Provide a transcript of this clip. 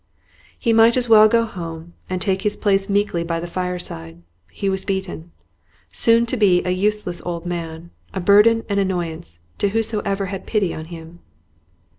He might as well go home, and take his place meekly by the fireside. He was beaten. Soon to be a useless old man, a burden and annoyance to whosoever had pity on him.